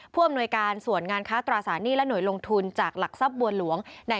ก็บอกว่าหน่อยหลุ้นอยู่นานนะ